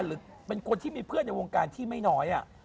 หรือเป็นคนที่มีเพื่อนในวงการที่ไม่น้อย